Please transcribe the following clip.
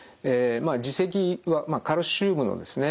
耳石はカルシウムのですね